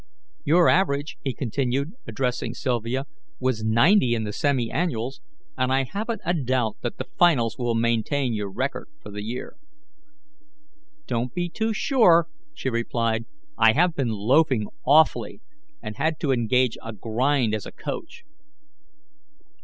Your average," he continued, addressing Sylvia, "was ninety in the semi annuals, and I haven't a doubt that the finals will maintain your record for the year." "Don't be too sure," she replied. "I have been loafing awfully, and had to engage a 'grind' as a coach."